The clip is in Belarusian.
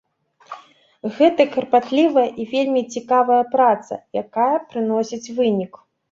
Гэта карпатлівая і вельмі цікавая праца, якая прыносіць вынік.